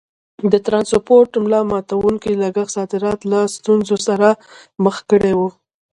د ټرانسپورټ ملا ماتوونکي لګښت صادرات له ستونزو سره مخ کړي وو.